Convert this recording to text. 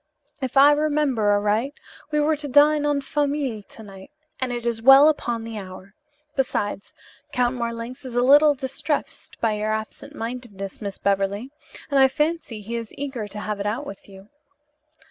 "If I remember aright, we were to dine en famille to night, and it is well upon the hour. Besides, Count Marlanx is a little distressed by your absent mindedness, Miss Beverly, and I fancy he is eager to have it out with you."